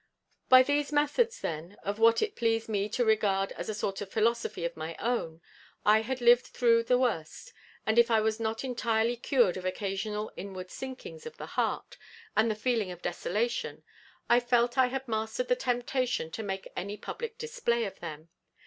By these methods, then, of what it pleased me to regard as a sort of philosophy of my own, I had lived through the worst, and if I was not entirely cured of occasional inward sinkings of the heart and the feeling of desolation, I felt I had mastered the temptation to make any public display of them.